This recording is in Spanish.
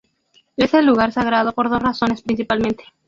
Es lugar sagrado por dos razones principalmente.